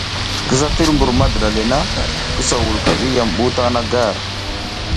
Kisa tiri mbur madiɗa le na, kisa wulka ɓi ya mi ɓuw taƞ na gar.